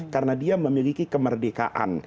karena dia memiliki kemerdekaan